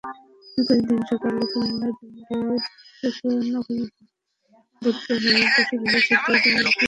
একই দিন সকালে খুলনার ডুমুরিয়ার চুকনগর বধ্যভূমিতে শুরু হয়েছে দুই দিনব্যাপী আর্টক্যাম্প।